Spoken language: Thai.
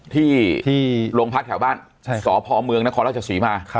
ที่โรงพักษณ์แถวบ้านสพเมืองนะครอสละเจศวีมา